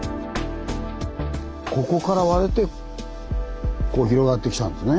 ここから割れてこう広がってきたんですね。